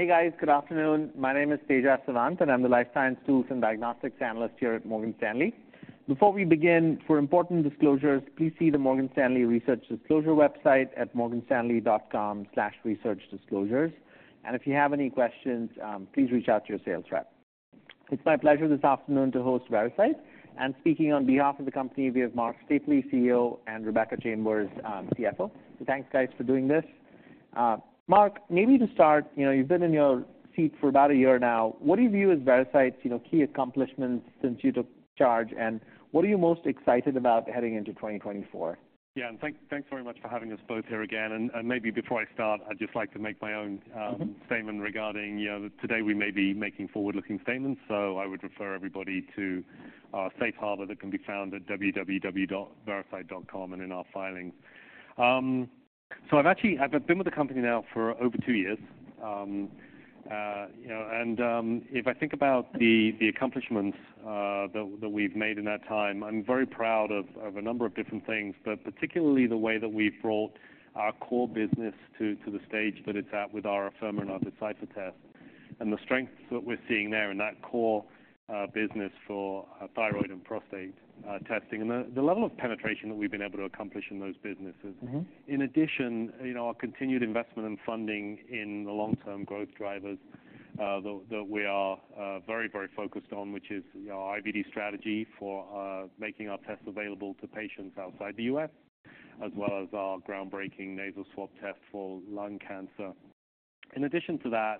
Hey, guys. Good afternoon. My name is Tejas Savant, and I'm the life science tools and diagnostics analyst here at Morgan Stanley. Before we begin, for important disclosures, please see the Morgan Stanley Research Disclosure website at morganstanley.com/researchdisclosures. And if you have any questions, please reach out to your sales rep. It's my pleasure this afternoon to host Veracyte, and speaking on behalf of the company, we have Marc Stapley, CEO, and Rebecca Chambers, CFO. So thanks, guys, for doing this. Marc, maybe to start, you know, you've been in your seat for about a year now. What do you view as Veracyte's, you know, key accomplishments since you took charge, and what are you most excited about heading into 2024? Yeah, and thanks very much for having us both here again. And maybe before I start, I'd just like to make my own statement regarding, you know, today we may be making forward-looking statements, so I would refer everybody to our safe harbor that can be found at www.veracyte.com and in our filings. So I've actually I've been with the company now for over two years. You know, and if I think about the accomplishments that we've made in that time, I'm very proud of a number of different things, but particularly the way that we've brought our core business to the stage that it's at with our Afirma and our Decipher test. And the strengths that we're seeing there in that core business for thyroid and prostate testing and the level of penetration that we've been able to accomplish in those businesses. Mm-hmm. In addition, you know, our continued investment in funding in the long-term growth drivers that we are very, very focused on, which is, you know, our IVD strategy for making our tests available to patients outside the U.S., as well as our groundbreaking nasal swab test for lung cancer. In addition to that,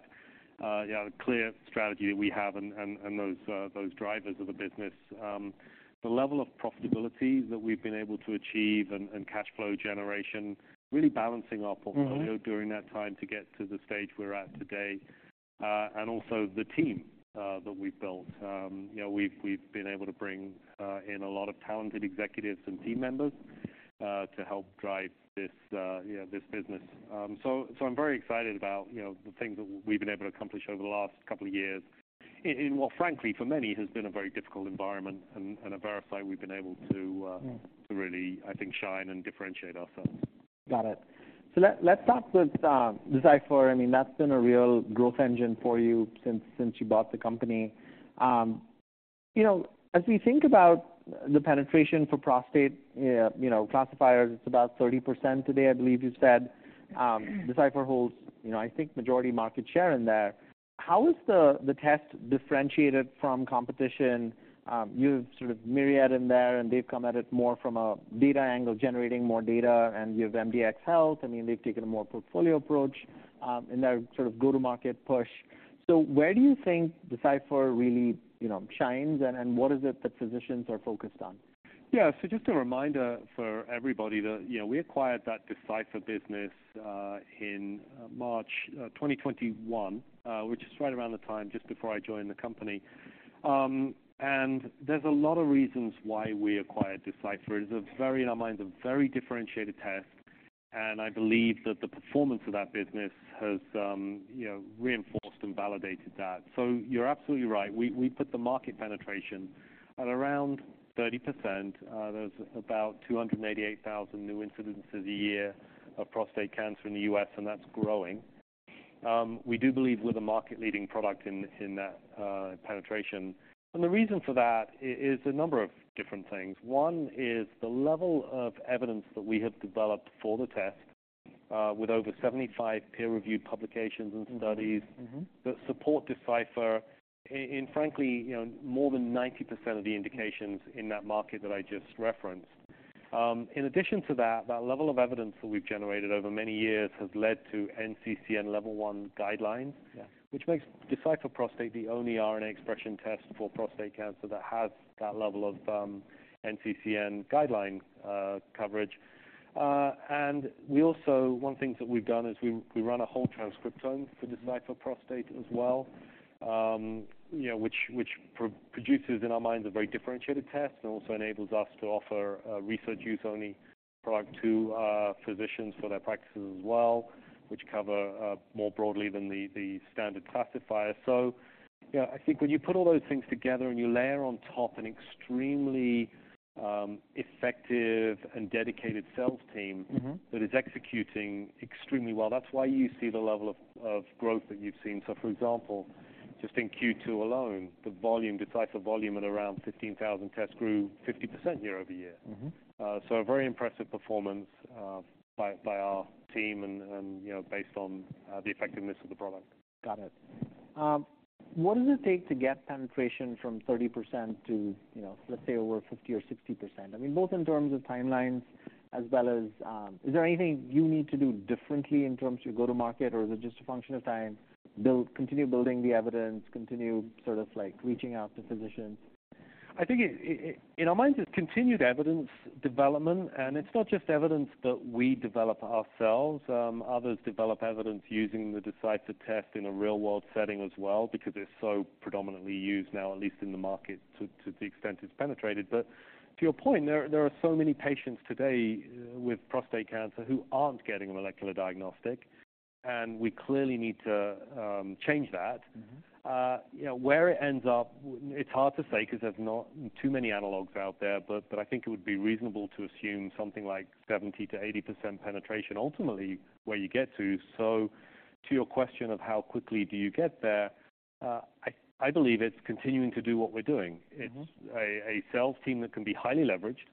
yeah, a clear strategy that we have and those drivers of the business, the level of profitability that we've been able to achieve and cash flow generation, really balancing our portfolio during that time to get to the stage we're at today. And also the team that we've built. You know, we've been able to bring in a lot of talented executives and team members to help drive this, yeah, this business. So I'm very excited about, you know, the things that we've been able to accomplish over the last couple of years. Well, frankly, for many, it has been a very difficult environment, and at Veracyte, we've been able to really, I think, shine and differentiate ourselves. Got it. So let's start with Decipher. I mean, that's been a real growth engine for you since you bought the company. You know, as we think about the penetration for prostate classifiers, it's about 30% today, I believe you said. Decipher holds, you know, I think, majority market share in there. How is the test differentiated from competition? You have sort of Myriad in there, and they've come at it more from a data angle, generating more data, and you have MDxHealth. I mean, they've taken a more portfolio approach in their sort of go-to-market push. So where do you think Decipher really shines, and what is it that physicians are focused on? Yeah. So just a reminder for everybody that, you know, we acquired that Decipher business in March 2021, which is right around the time just before I joined the company. There's a lot of reasons why we acquired Decipher. It's a very, in our minds, a very differentiated test, and I believe that the performance of that business has, you know, reinforced and validated that. So you're absolutely right. We put the market penetration at around 30%. There's about 288,000 new incidences a year of prostate cancer in the U.S., and that's growing. We do believe we're the market-leading product in that penetration. And the reason for that is a number of different things. One is the level of evidence that we have developed for the test, with over 75 peer-reviewed publications and studies that support Decipher in, frankly, you know, more than 90% of the indications in that market that I just referenced. In addition to that, that level of evidence that we've generated over many years has led to NCCN Level 1 guidelines- Yeah... which makes Decipher Prostate the only RNA expression test for prostate cancer that has that level of, NCCN guideline, coverage. And we also, one of the things that we've done is we run a whole transcriptome for Decipher Prostate as well, you know, which produces, in our minds, a very differentiated test and also enables us to offer a research-use-only product to, physicians for their practices as well, which cover more broadly than the standard classifier. So yeah, I think when you put all those things together and you layer on top an extremely, effective and dedicated sales team that is executing extremely well, that's why you see the level of growth that you've seen. So for example, just in Q2 alone, the volume, Decipher volume, at around 15,000 tests, grew 50% year-over-year. Mm-hmm. So a very impressive performance by our team and, you know, based on the effectiveness of the product. Got it. What does it take to get penetration from 30% to, you know, let's say, over 50% or 60%? I mean, both in terms of timelines as well as, is there anything you need to do differently in terms of go-to-market, or is it just a function of time, build... continue building the evidence, continue sort of like reaching out to physicians? I think in our minds, it's continued evidence development, and it's not just evidence that we develop ourselves. Others develop evidence using the Decipher test in a real-world setting as well, because it's so predominantly used now, at least in the market, to the extent it's penetrated. But to your point, there are so many patients today with prostate cancer who aren't getting a molecular diagnostic, and we clearly need to change that. Mm-hmm. You know, where it ends up, it's hard to say because there's not too many analogues out there, but I think it would be reasonable to assume something like 70%-80% penetration, ultimately, where you get to. So to your question of how quickly do you get there? I believe it's continuing to do what we're doing. Mm-hmm. It's a sales team that can be highly leveraged.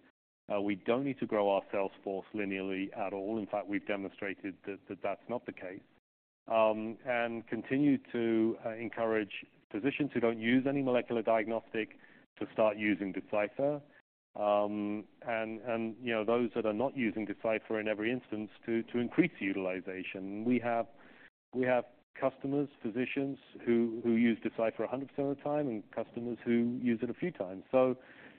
We don't need to grow our sales force linearly at all. In fact, we've demonstrated that that's not the case. And continue to encourage physicians who don't use any molecular diagnostic to start using Decipher. And, you know, those that are not using Decipher in every instance to increase the utilization. We have customers, physicians who use Decipher 100% of the time, and customers who use it a few times. So,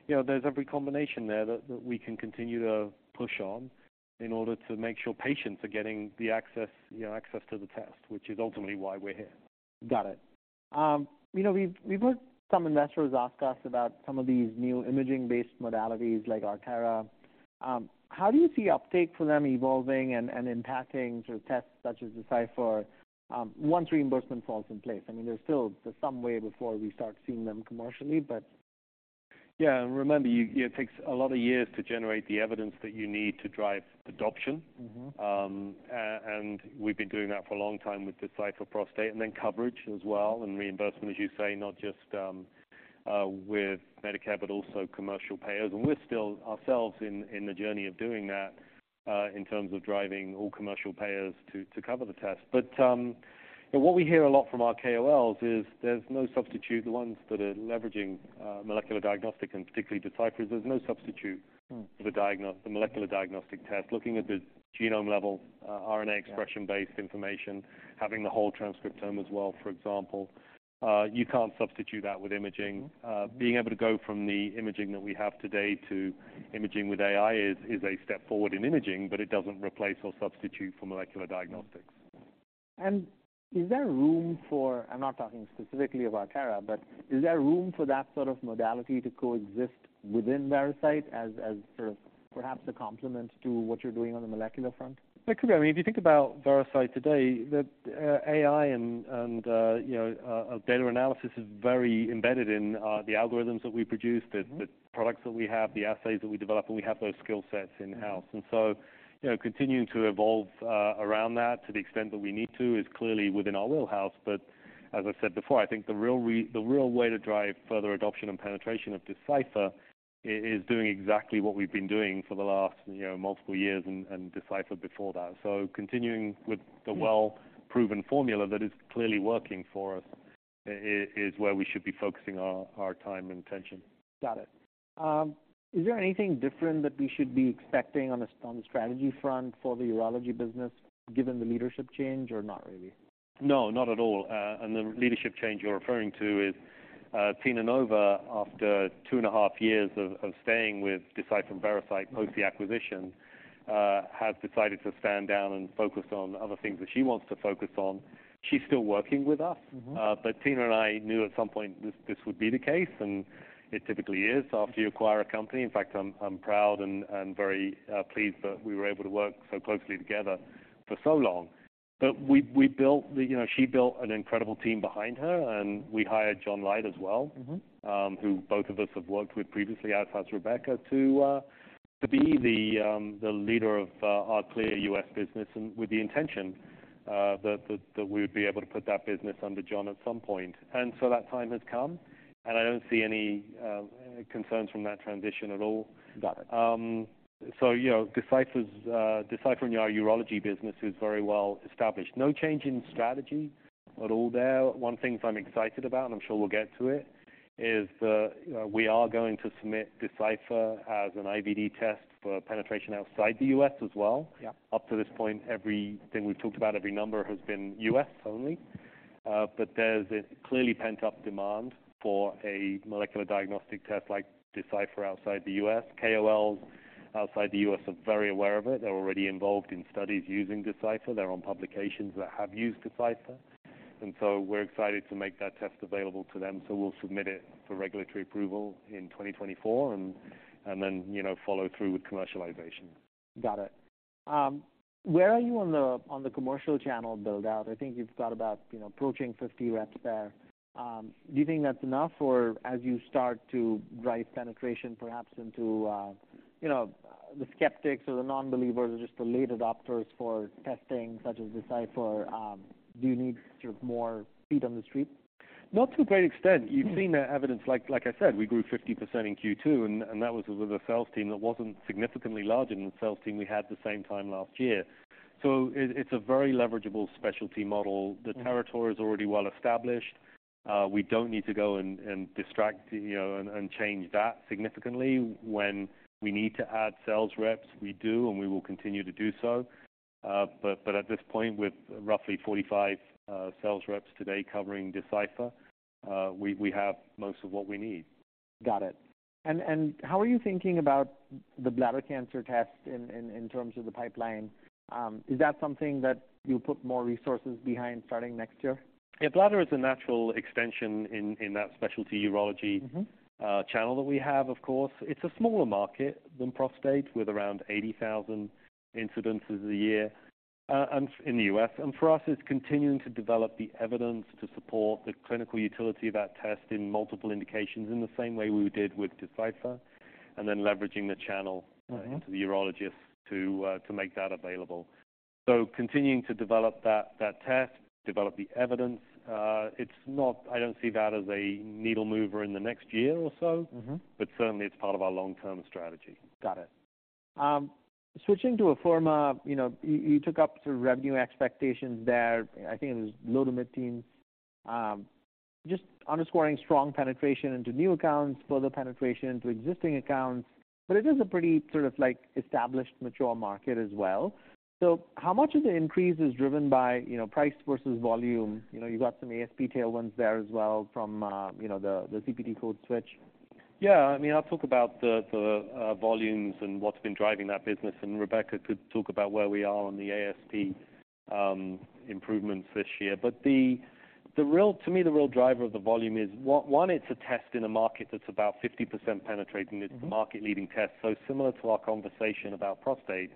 you know, there's every combination there that we can continue to push on in order to make sure patients are getting the access, you know, access to the test, which is ultimately why we're here. Got it. You know, we've heard some investors ask us about some of these new imaging-based modalities, like Artera. How do you see uptake for them evolving and impacting sort of tests such as Decipher, once reimbursement falls in place? I mean, there's still some way before we start seeing them commercially, but- Yeah, and remember, you know, it takes a lot of years to generate the evidence that you need to drive adoption. Mm-hmm. And we've been doing that for a long time with Decipher Prostate, and then coverage as well, and reimbursement, as you say, not just with Medicare, but also commercial payers. And we're still, ourselves, in the journey of doing that in terms of driving all commercial payers to cover the test. But what we hear a lot from our KOLs is there's no substitute, the ones that are leveraging molecular diagnostic and particularly Decipher, there's no substitute- Mm... for the diagnosis, the molecular diagnostic test. Looking at the genome level, RNA- Yeah... expression-based information, having the whole transcriptome as well, for example, you can't substitute that with imaging. Mm-hmm. Being able to go from the imaging that we have today to imaging with AI is a step forward in imaging, but it doesn't replace or substitute for molecular diagnostics. Is there room for... I'm not talking specifically about Artera, but is there room for that sort of modality to coexist within Veracyte as, as sort of perhaps a complement to what you're doing on the molecular front? That could be. I mean, if you think about Veracyte today, the AI and data analysis is very embedded in the algorithms that we produce- Mm-hmm... the products that we have, the assays that we develop, and we have those skill sets in-house. Mm-hmm. You know, continuing to evolve around that to the extent that we need to is clearly within our wheelhouse. But as I said before, I think the real way to drive further adoption and penetration of Decipher is doing exactly what we've been doing for the last, you know, multiple years and Decipher before that. So continuing with the well-proven formula that is clearly working for us is where we should be focusing our time and attention. Got it. Is there anything different that we should be expecting on the strategy front for the urology business, given the leadership change or not really? No, not at all. And the leadership change you're referring to is, Tina Nova, after 2.5 years of staying with Decipher and Veracyte, post the acquisition, has decided to stand down and focus on other things that she wants to focus on. She's still working with us. Mm-hmm. But Tina and I knew at some point this, this would be the case, and it typically is after you acquire a company. In fact, I'm, I'm proud and, and very, pleased that we were able to work so closely together for so long. But we, we built the... You know, she built an incredible team behind her, and we hired John Leite as well- Mm-hmm... who both of us have worked with previously, out of Rebecca, to be the leader of our CLIA U.S. business, and with the intention that we would be able to put that business under John at some point. And so that time has come, and I don't see any concerns from that transition at all. Got it. So, you know, Decipher's Decipher in our urology business is very well established. No change in strategy at all there. One things I'm excited about, and I'm sure we'll get to it, is, you know, we are going to submit Decipher as an IVD test for penetration outside the U.S. as well. Yeah. Up to this point, everything we've talked about, every number, has been U.S. only. But there's a clearly pent-up demand for a molecular diagnostic test like Decipher outside the U.S. KOLs outside the U.S. are very aware of it. They're already involved in studies using Decipher. They're on publications that have used Decipher, and so we're excited to make that test available to them. So we'll submit it for regulatory approval in 2024 and then, you know, follow through with commercialization. Got it. Where are you on the commercial channel build-out? I think you've got about, you know, approaching 50 reps there. Do you think that's enough? Or as you start to drive penetration, perhaps into, you know, the skeptics or the non-believers or just the late adopters for testing such as Decipher, do you need sort of more feet on the street? Not to a great extent. Mm. You've seen the evidence. Like, I said, we grew 50% in Q2, and that was with a sales team that wasn't significantly larger than the sales team we had the same time last year. So it's a very leverageable specialty model. Mm. The territory is already well established. We don't need to go and distract, you know, and change that significantly. When we need to add sales reps, we do, and we will continue to do so. But at this point, with roughly 45 sales reps today covering Decipher, we have most of what we need. Got it. How are you thinking about the bladder cancer test in terms of the pipeline? Is that something that you'll put more resources behind starting next year? Yeah, bladder is a natural extension in that specialty urology- Mm-hmm... channel that we have, of course. It's a smaller market than prostate, with around 80,000 incidences a year, and in the US. And for us, it's continuing to develop the evidence to support the clinical utility of that test in multiple indications, in the same way we did with Decipher, and then leveraging the channel- Mm-hmm... to the urologists to make that available.... So continuing to develop that test, develop the evidence, it's not, I don't see that as a needle mover in the next year or so. Mm-hmm. But certainly, it's part of our long-term strategy. Got it. Switching to Afirma, you know, you took up the revenue expectations there. I think it was low- to mid-teens. Just underscoring strong penetration into new accounts, further penetration into existing accounts, but it is a pretty sort of like established, mature market as well. So how much of the increase is driven by, you know, price versus volume? You know, you got some ASP tailwinds there as well from, you know, the CPT code switch. Yeah. I mean, I'll talk about the volumes and what's been driving that business, and Rebecca could talk about where we are on the ASP improvements this year. But the real, to me, the real driver of the volume is one, it's a test in a market that's about 50% penetrating. Mm-hmm. It's a market-leading test. So similar to our conversation about prostate,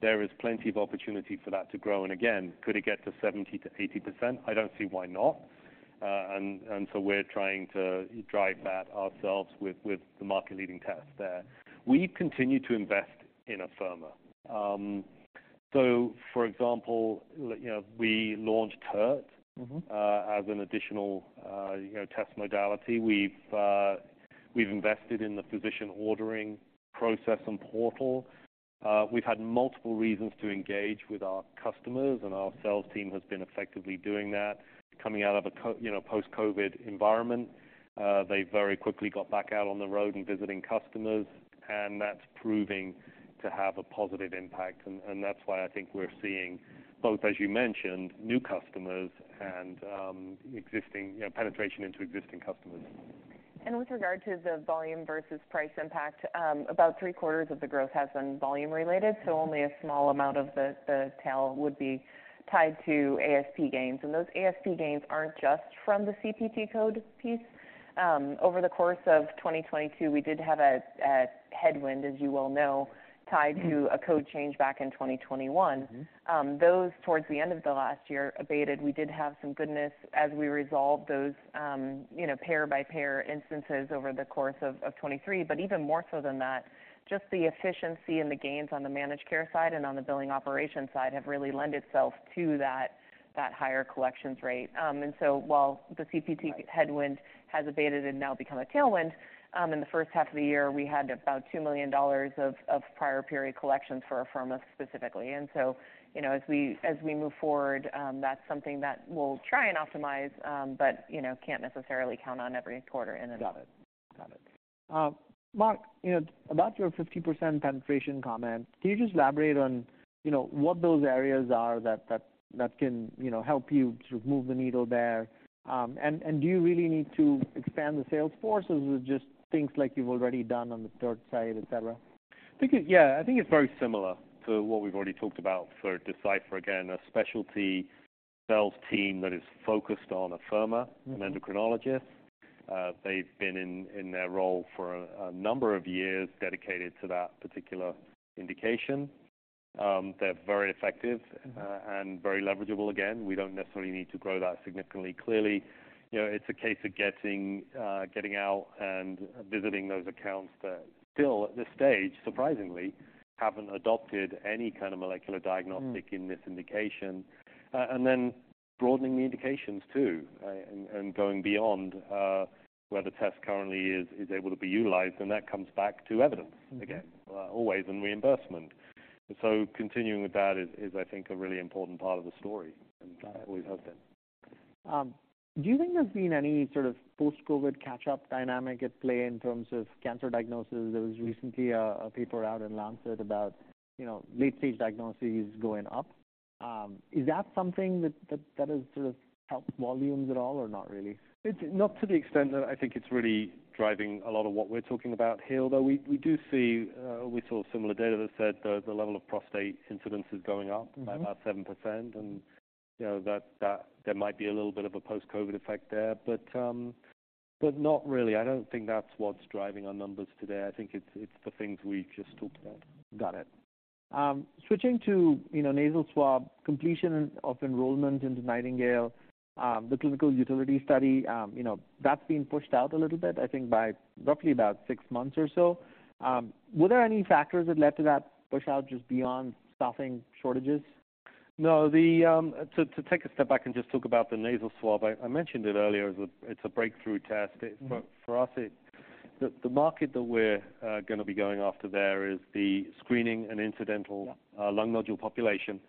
there is plenty of opportunity for that to grow. And again, could it get to 70%-80%? I don't see why not. And so we're trying to drive that ourselves with the market-leading test there. We continue to invest in Afirma. So for example, you know, we launched TERT- Mm-hmm... as an additional, you know, test modality. We've invested in the physician ordering process and portal. We've had multiple reasons to engage with our customers, and our sales team has been effectively doing that, coming out of a, you know, post-COVID environment. They very quickly got back out on the road and visiting customers, and that's proving to have a positive impact. And that's why I think we're seeing both, as you mentioned, new customers and, existing, you know, penetration into existing customers. With regard to the volume versus price impact, about three-quarters of the growth has been volume-related, so only a small amount of the tail would be tied to ASP gains. Those ASP gains aren't just from the CPT code piece. Over the course of 2022, we did have a headwind, as you well know, tied to- Mm-hmm... a code change back in 2021. Mm-hmm. Those towards the end of the last year abated. We did have some goodness as we resolved those, you know, pair-by-pair instances over the course of 2023. But even more so than that, just the efficiency and the gains on the managed care side and on the billing operation side have really lent itself to that higher collections rate. And so while the CPT- Right... headwind has abated and now become a tailwind in the first half of the year, we had about $2 million of prior period collections for Afirma specifically. And so, you know, as we move forward, that's something that we'll try and optimize, but, you know, can't necessarily count on every quarter in advance. Got it. Got it. Marc, you know, about your 50% penetration comment, can you just elaborate on, you know, what those areas are that can, you know, help you to move the needle there? Do you really need to expand the sales force, or is it just things like you've already done on the thyroid side, et cetera? I think it's very similar to what we've already talked about for Decipher. Again, a specialty sales team that is focused on Afirma an endocrinologist. They've been in their role for a number of years, dedicated to that particular indication. They're very effective and very leverageable. Again, we don't necessarily need to grow that significantly. Clearly, you know, it's a case of getting out and visiting those accounts that still, at this stage, surprisingly, haven't adopted any kind of molecular diagnostic in this indication. And then broadening the indications, too, and going beyond where the test currently is able to be utilized, and that comes back to evidence again always in reimbursement. So continuing with that is, I think, a really important part of the story, and always has been. Do you think there's been any sort of post-COVID catch-up dynamic at play in terms of cancer diagnosis? There was recently a paper out in Lancet about, you know, late-stage diagnoses going up. Is that something that has sort of helped volumes at all or not really? It's not to the extent that I think it's really driving a lot of what we're talking about here, although we do see, we saw similar data that said the level of prostate incidence is going up by about 7%, and, you know, that there might be a little bit of a post-COVID effect there, but not really. I don't think that's what's driving our numbers today. I think it's the things we just talked about. Got it. Switching to, you know, nasal swab, completion of enrollment into Nightingale, the clinical utility study, you know, that's been pushed out a little bit, I think, by roughly about six months or so. Were there any factors that led to that pushout just beyond staffing shortages? No, to take a step back and just talk about the nasal swab, I mentioned it earlier, as it's a breakthrough test. Mm. But for us, the market that we're gonna be going after there is the screening and incidental- Yeah... lung nodule population,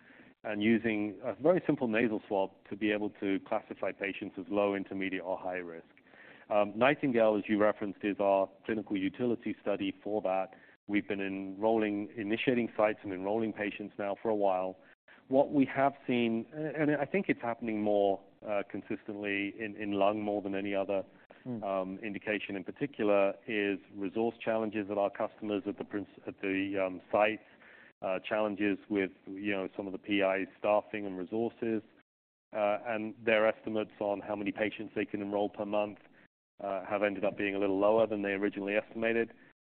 and using a very simple nasal swab to be able to classify patients as low, intermediate, or high risk. Nightingale, as you referenced, is our clinical utility study for that. We've been enrolling, initiating sites and enrolling patients now for a while. What we have seen, and I think it's happening more consistently in lung more than any other- Mm... indication in particular, is resource challenges at our customers, at the site, challenges with, you know, some of the PI staffing and resources, and their estimates on how many patients they can enroll per month, have ended up being a little lower than they originally estimated.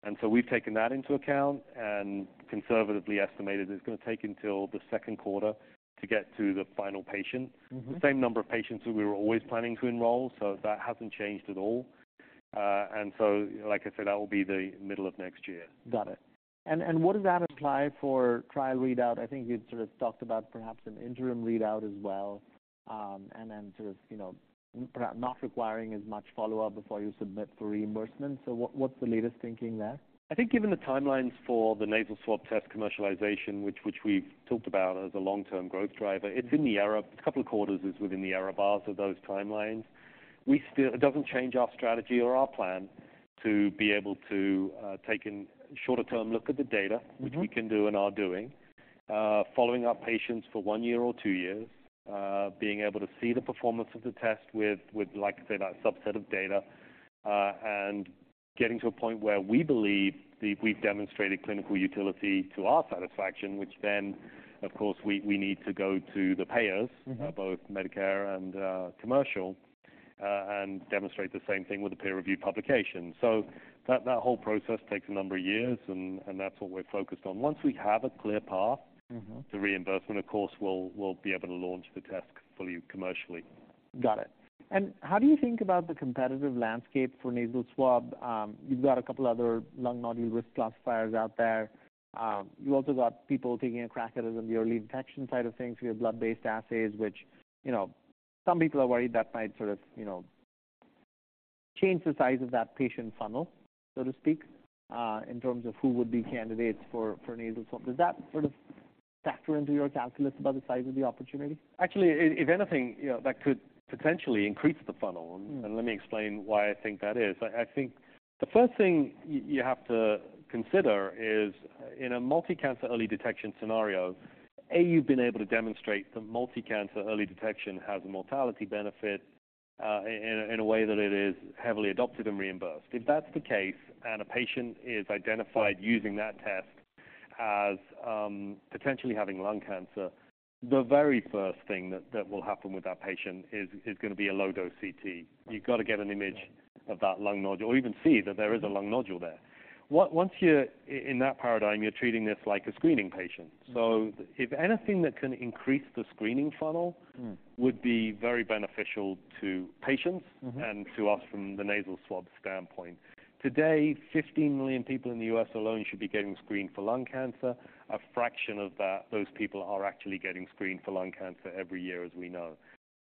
And so we've taken that into account and conservatively estimated it's gonna take until the second quarter to get to the final patient. Mm-hmm. Same number of patients who we were always planning to enroll, so that hasn't changed at all. Like I said, that will be the middle of next year. Got it. And would that apply for trial readout? I think you'd sort of talked about perhaps an interim readout as well, and then sort of, you know, perhaps not requiring as much follow-up before you submit for reimbursement. So, what's the latest thinking there? I think given the timelines for the nasal swab test commercialization, which we've talked about as a long-term growth driver, it's in there. A couple of quarters is within the error bars of those timelines. We still. It doesn't change our strategy or our plan to be able to take in a shorter-term look at the data- Mm-hmm. which we can do and are doing. Following our patients for one year or two years, being able to see the performance of the test with, like I say, that subset of data, and getting to a point where we believe we've demonstrated clinical utility to our satisfaction, which then, of course, we need to go to the payers- Mm-hmm. both Medicare and commercial, and demonstrate the same thing with a peer-reviewed publication. So that whole process takes a number of years, and that's what we're focused on. Once we have a clear path- Mm-hmm. to reimbursement, of course, we'll, we'll be able to launch the test fully commercially. Got it. How do you think about the competitive landscape for nasal swab? You've got a couple other lung nodule risk classifiers out there. You also got people taking a crack at it on the early detection side of things. You have blood-based assays, which, you know, some people are worried that might sort of, you know, change the size of that patient funnel, so to speak, in terms of who would be candidates for nasal swab. Does that sort of factor into your calculus about the size of the opportunity? Actually, if anything, you know, that could potentially increase the funnel. Mm. And let me explain why I think that is. I think the first thing you have to consider is, in a multi-cancer early detection scenario, you've been able to demonstrate the multi-cancer early detection has a mortality benefit, in a way that it is heavily adopted and reimbursed. If that's the case, and a patient is identified using that test as potentially having lung cancer, the very first thing that will happen with that patient is gonna be a low-dose CT. You've got to get an image- Right ...of that lung nodule or even see that there is a lung nodule there. Once you're in that paradigm, you're treating this like a screening patient. Mm. If anything that can increase the screening funnel would be very beneficial to patients and to us from the nasal swab standpoint. Today, 15 million people in the U.S. alone should be getting screened for lung cancer. A fraction of that, those people are actually getting screened for lung cancer every year, as we know,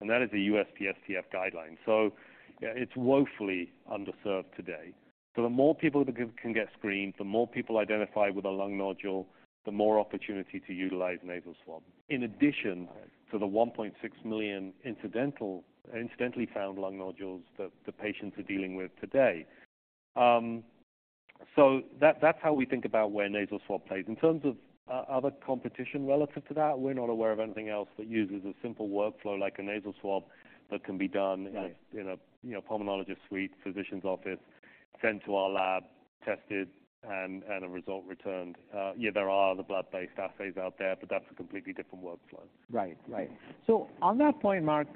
and that is a USPSTF guideline. So yeah, it's woefully underserved today. So the more people that can get screened, the more people identified with a lung nodule, the more opportunity to utilize nasal swab. In addition- Right... to the 1.6 million incidental, incidentally found lung nodules that the patients are dealing with today. So that, that's how we think about where nasal swab plays. In terms of other competition relative to that, we're not aware of anything else that uses a simple workflow like a nasal swab, that can be done- Right in a pulmonologist suite, physician's office, sent to our lab, tested, and a result returned. Yeah, there are the blood-based assays out there, but that's a completely different workflow. Right. Right. So on that point, Marc,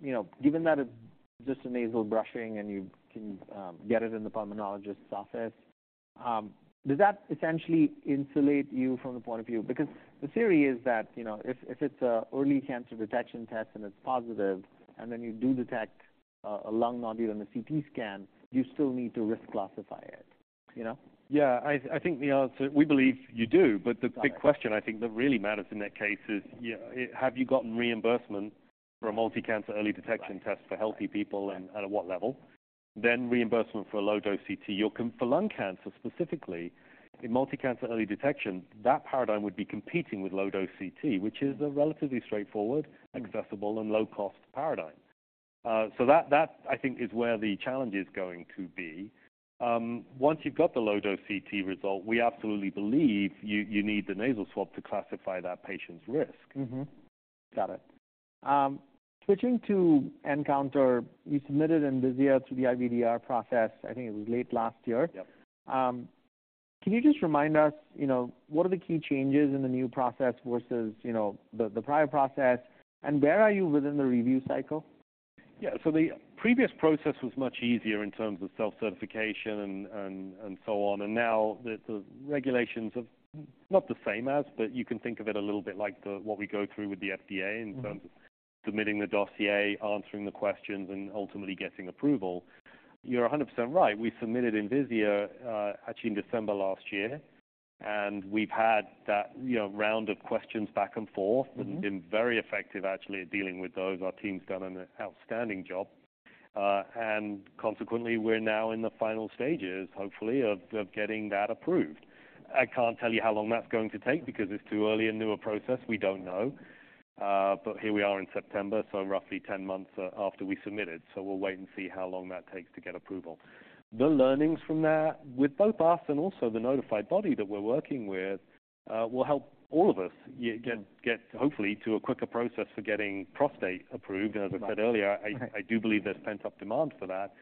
you know, given that it's just a nasal brushing and you can get it in the pulmonologist's office, does that essentially insulate you from the point of view? Because the theory is that, you know, if it's a early cancer detection test and it's positive, and then you do detect a lung nodule on the CT scan, you still need to risk classify it, you know? Yeah. I think the answer... We believe you do. Got it. But the big question, I think, that really matters in that case is, yeah, have you gotten reimbursement for a multi-cancer early detection? Right... test for healthy people, and at what level? Then reimbursement for a low-dose CT. You'll... For lung cancer, specifically in multi-cancer early detection, that paradigm would be competing with low-dose CT, which is a relatively straightforward, accessible, and low-cost paradigm. So that, that, I think, is where the challenge is going to be. Once you've got the low-dose CT result, we absolutely believe you, you need the nasal swab to classify that patient's risk. Mm-hmm. Got it. Switching to nCounter, you submitted the dossier through the IVDR process. I think it was late last year. Yep. Can you just remind us, you know, what are the key changes in the new process versus, you know, the prior process, and where are you within the review cycle? Yeah. So the previous process was much easier in terms of self-certification and so on. And now the regulations are not the same as, but you can think of it a little bit like the what we go through with the FDA- Mm-hmm... in terms of submitting the dossier, answering the questions, and ultimately getting approval. You're 100% right. We submitted Envisia actually in December last year, and we've had that, you know, round of questions back and forth. Mm-hmm. And been very effective, actually, at dealing with those. Our team's done an outstanding job, and consequently, we're now in the final stages, hopefully, of, of getting that approved. I can't tell you how long that's going to take because it's too early in the new process. We don't know. But here we are in September, so roughly 10 months, after we submitted. So we'll wait and see how long that takes to get approval. The learnings from that, with both us and also the notified body that we're working with, will help all of us- Yeah get hopefully to a quicker process for getting prostate approved. Right. As I said earlier, I do believe there's pent-up demand for that,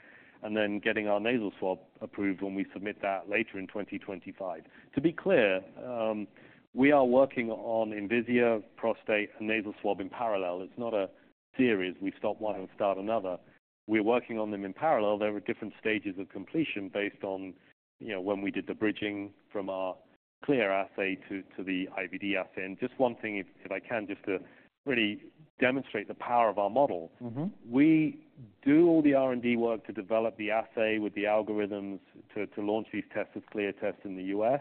and then getting our nasal swab approved when we submit that later in 2025. To be clear, we are working on Envisia, prostate, and nasal swab in parallel. It's not a series. We stop one and start another. We're working on them in parallel. There are different stages of completion based on, you know, when we did the bridging from our CLIA assay to the IVD assay. And just one thing, if I can, just to really demonstrate the power of our model. Mm-hmm. We do all the R&D work to develop the assay with the algorithms to launch these tests as cleared tests in the U.S.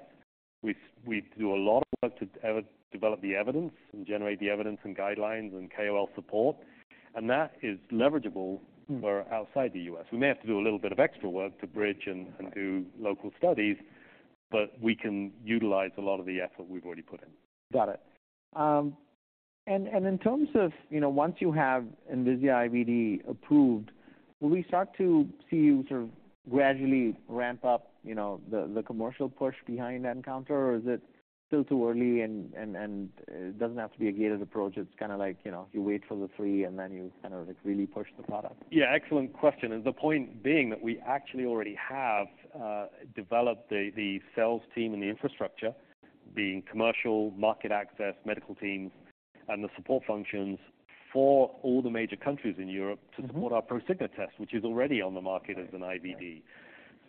We do a lot of work to develop the evidence and generate the evidence and guidelines and KOL support, and that is leveragable- Mm-hmm For outside the U.S. We may have to do a little bit of extra work to bridge and do local studies, but we can utilize a lot of the effort we've already put in. Got it. And in terms of, you know, once you have Envisia IVD approved, will we start to see you sort of gradually ramp up, you know, the commercial push behind nCounter? Or is it still too early and it doesn't have to be a gated approach, it's kind of like, you know, you wait for the three, and then you kind of, like, really push the product? Yeah, excellent question. The point being that we actually already have developed the sales team and the infrastructure, being commercial, market access, medical teams, and the support functions for all the major countries in Europe- Mm-hmm to support our Prosigna test, which is already on the market as an IVD.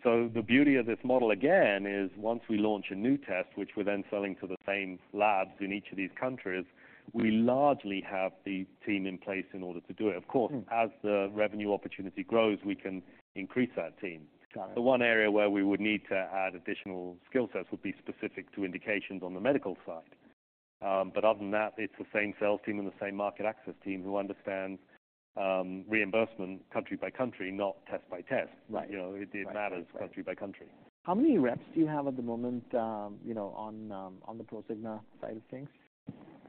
So the beauty of this model, again, is once we launch a new test, which we're then selling to the same labs in each of these countries, we largely have the team in place in order to do it. Mm. Of course, as the revenue opportunity grows, we can increase that team. Got it. The one area where we would need to add additional skill sets would be specific to indications on the medical side. Other than that, it's the same sales team and the same market access team who understand reimbursement country by country, not test by test. Right. You know, it matters- Right - country by country. How many reps do you have at the moment, you know, on the Prosigna side of things?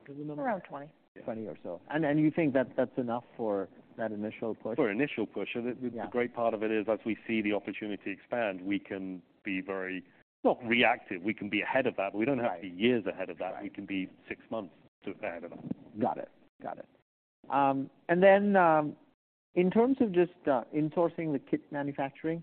There's another- Around 20 reps. Yeah. 20 reps or so. And, you think that that's enough for that initial push? For initial push. Yeah. The great part of it is, as we see the opportunity expand, we can be very not reactive. We can be ahead of that. Right. We don't have to be years ahead of that. Right. We can be six months ahead of that. Got it. And then, in terms of just, insourcing the kit manufacturing,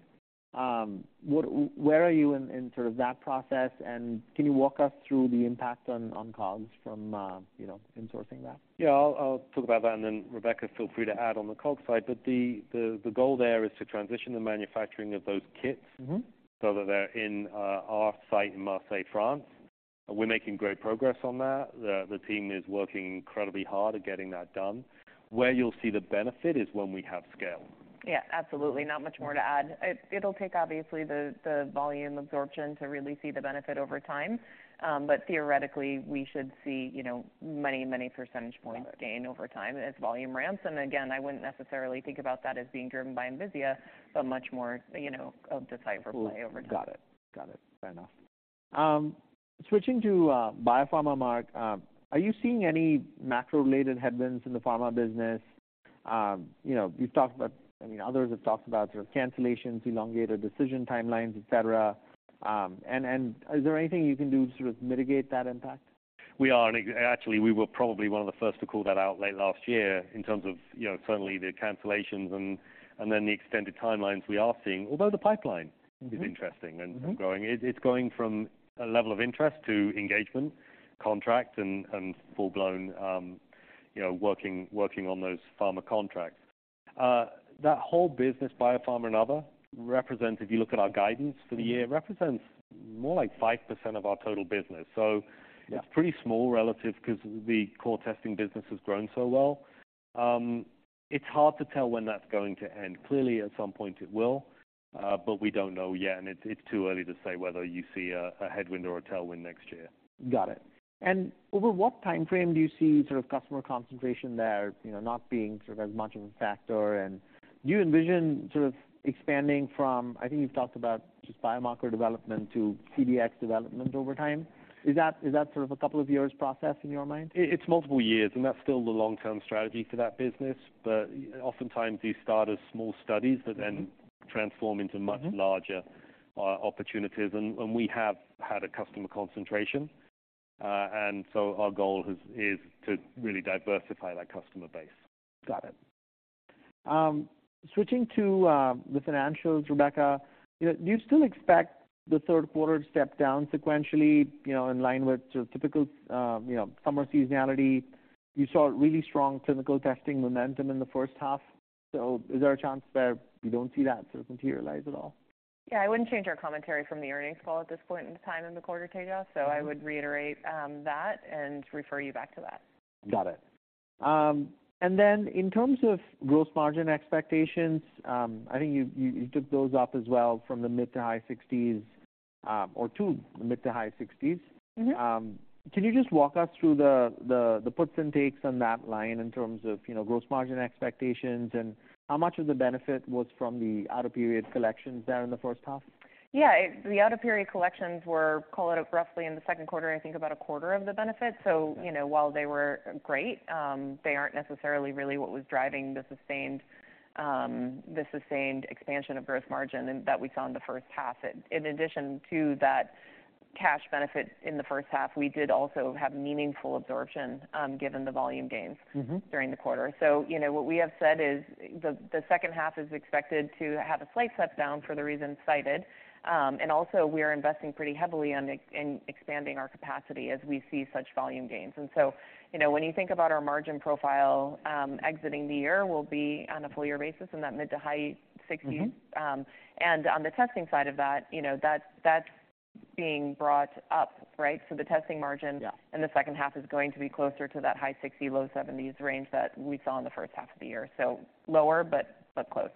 where are you in, in sort of that process? And can you walk us through the impact on, on COGS from, you know, insourcing that? Yeah, I'll talk about that, and then, Rebecca, feel free to add on the COG side. But the goal there is to transition the manufacturing of those kits- Mm-hmm so that they're in our site in Marseille, France. We're making great progress on that. The team is working incredibly hard at getting that done. Where you'll see the benefit is when we have scale. Yeah, absolutely. Not much more to add. It'll take, obviously, the volume absorption to really see the benefit over time. But theoretically, we should see, you know, many, many percentage points- Got it gain over time as volume ramps. And again, I wouldn't necessarily think about that as being driven by Envisia, but much more, you know, of the Decipher play over time. Got it. Got it. Fair enough. Switching to biopharma, Marc, are you seeing any macro-related headwinds in the pharma business? You know, we've talked about, I mean, others have talked about sort of cancellations, elongated decision timelines, et cetera. And is there anything you can do to sort of mitigate that impact? We are. And actually, we were probably one of the first to call that out late last year in terms of, you know, certainly the cancellations and then the extended timelines we are seeing, although the pipeline- Mm-hmm is interesting and, Mm-hmm and growing. It's going from a level of interest to engagement, contract and full-blown, you know, working on those pharma contracts. That whole business, biopharma and other, represents, if you look at our guidance for the year. Mm-hmm represents more like 5% of our total business. So- Yeah... it's pretty small relatively, 'cause the core testing business has grown so well. It's hard to tell when that's going to end. Clearly, at some point it will, but we don't know yet, and it's too early to say whether you see a headwind or a tailwind next year. Got it. And over what timeframe do you see sort of customer concentration there, you know, not being sort of as much of a factor? And do you envision sort of expanding from... I think you've talked about just biomarker development to CDx development over time. Is that, is that sort of a couple of years process in your mind? It's multiple years, and that's still the long-term strategy for that business. But oftentimes, these start as small studies- Mm-hmm but then transform into much- Mm-hmm larger opportunities. And we have had a customer concentration, and so our goal is to really diversify that customer base. Got it. Switching to the financials, Rebecca, you know, do you still expect the third quarter to step down sequentially, you know, in line with sort of typical, you know, summer seasonality? You saw really strong clinical testing momentum in the first half, so is there a chance that you don't see that sort of materialize at all? Yeah, I wouldn't change our commentary from the earnings call at this point in time in the quarter, Tejas. Mm-hmm. So I would reiterate, that and refer you back to that. Got it. And then in terms of gross margin expectations, I think you took those up as well from the mid- to high 60s%, or to the mid- to high 60s%. Mm-hmm. Can you just walk us through the puts and takes on that line in terms of, you know, gross margin expectations, and how much of the benefit was from the out-of-period collections there in the first half? Yeah. The out-of-period collections were call it roughly in the second quarter, I think about a quarter of the benefit. Okay. So, you know, while they were great, they aren't necessarily really what was driving the sustained expansion of gross margin and that we saw in the first half. In addition to that cash benefit in the first half, we did also have meaningful absorption, given the volume gains- Mm-hmm - during the quarter. So, you know, what we have said is the second half is expected to have a slight step down for the reasons cited. And also, we are investing pretty heavily in expanding our capacity as we see such volume gains. And so, you know, when you think about our margin profile, exiting the year, we'll be on a full year basis in that mid- to high-60s%. Mm-hmm. On the testing side of that, you know, that's being brought up, right? So the testing margin- Yeah in the second half is going to be closer to that high-60s%, low-70s% range that we saw in the first half of the year. So lower, but, but close.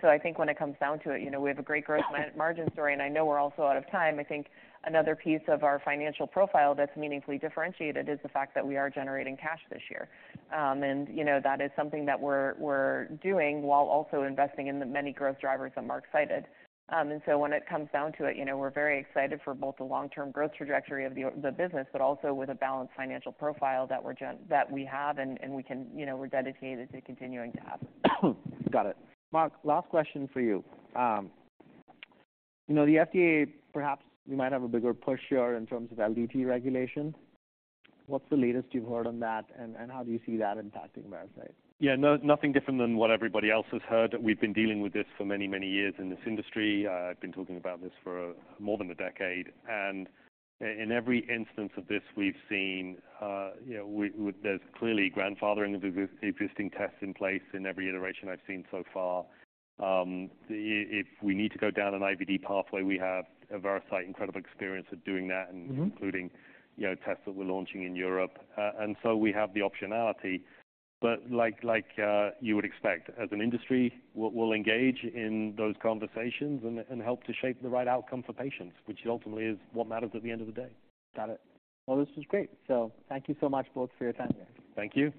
So I think when it comes down to it, you know, we have a great growth margin story, and I know we're also out of time. I think another piece of our financial profile that's meaningfully differentiated is the fact that we are generating cash this year. And you know, that is something that we're, we're doing while also investing in the many growth drivers that Marc cited. And so when it comes down to it, you know, we're very excited for both the long-term growth trajectory of the, the business, but also with a balanced financial profile that we're, that we have, and, and we can... You know, we're dedicated to continuing to have. Got it. Marc, last question for you. You know, the FDA, perhaps you might have a bigger push here in terms of LDT regulations. What's the latest you've heard on that, and how do you see that impacting Veracyte? Yeah, nothing different than what everybody else has heard. We've been dealing with this for many, many years in this industry. I've been talking about this for more than a decade, and in every instance of this, we've seen, you know, there's clearly grandfathering of existing tests in place in every iteration I've seen so far. If we need to go down an IVD pathway, we have, at Veracyte, incredible experience at doing that. Mm-hmm... and including, you know, tests that we're launching in Europe. And so we have the optionality. But like, you would expect, as an industry, we'll engage in those conversations and help to shape the right outcome for patients, which ultimately is what matters at the end of the day. Got it. Well, this was great. So thank you so much, both, for your time here. Thank you.